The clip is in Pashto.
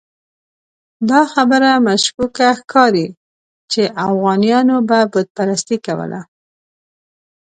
دا خبره مشکوکه ښکاري چې اوغانیانو به بت پرستي کوله.